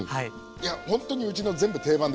いやほんとにうちの全部定番ですよ。